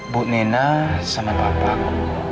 bu nena sama bapakku